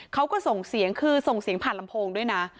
เขาก็ส่งเสียงคือส่งเสียงผ่านลำโพงด้วยนะ